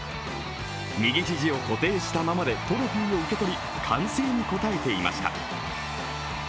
右肘を固定したままでトロフィーを受け取り歓声に応えていました。